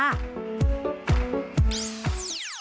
เรื่อยค่ะ